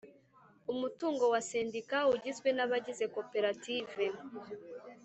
Umutungo wa Sendika ugizwe na bagize koperative